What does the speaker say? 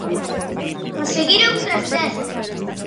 A seguir outras dez.